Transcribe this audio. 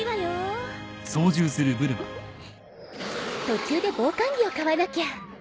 途中で防寒着を買わなきゃ。